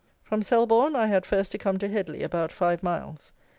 From Selborne, I had first to come to Headley, about five miles.